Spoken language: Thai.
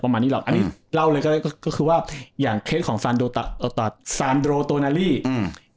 ประมาณนี้หรอกอืมอันนี้เล่าเลยก็ก็คือว่าอย่างเคสของแซโดโตแดรีอืม